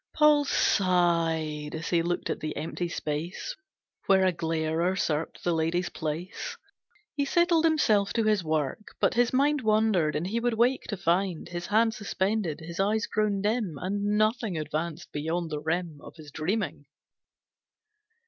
Paul sighed as he looked at the empty space Where a glare usurped the lady's place. He settled himself to his work, but his mind Wandered, and he would wake to find His hand suspended, his eyes grown dim, And nothing advanced beyond the rim Of his dreaming.